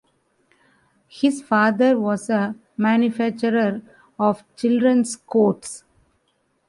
His father was a manufacturer of children's coats.